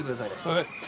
はい。